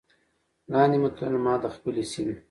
لاندې متلونه ما د خپلې سيمې